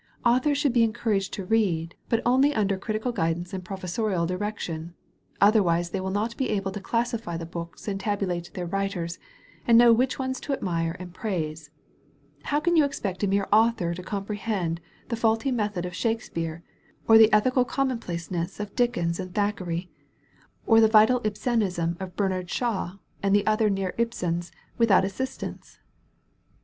Authors should be en couraged to read, but only under critical guidance and professorial direction. Otherwise they will not be able to classify the books, and tabulate their writers, and know which ones to admire and praise. How can you expect a mere author to comprehend the faulty method of Shakespeare, or the ethical conmionplaceness of Dickens and Thackeray, or the vital Ibsenism of Bernard Shaw and the other near Ibsens, without assistance?"